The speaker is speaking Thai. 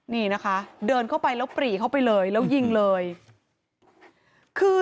นี่นะคะเดินเข้าไปแล้วปรีเข้าไปเลยแล้วยิงเลยคือ